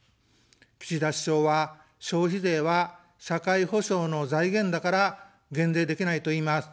岸田首相は、「消費税は社会保障の財源だから減税できない」といいます。